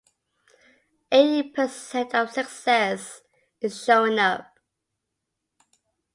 Eighty percent of success is showing up.